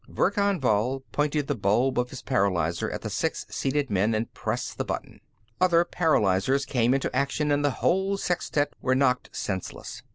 Verkan Vall pointed the bulb of his paralyzer at the six seated men and pressed the button; other paralyzers came into action, and the whole sextet were knocked senseless.